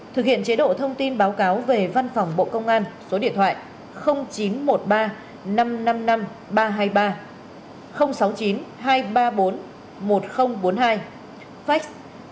bảy thực hiện chế độ thông tin báo cáo về văn phòng bộ công an số điện thoại chín trăm một mươi ba năm trăm năm mươi năm ba trăm hai mươi ba sáu mươi chín hai trăm ba mươi bốn một nghìn bốn mươi hai fax sáu mươi chín hai trăm ba mươi bốn một nghìn bốn mươi bốn